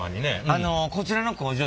あのこちらの工場でね